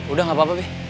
udah gak apa apa be